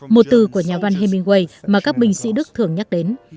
một từ của nhà văn hemingway mà các binh sĩ đức thường nhắc đến